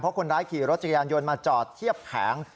เพราะคนร้ายขี่รถจักรยานยนต์มาจอดเทียบแผง